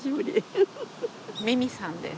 ミミさんです。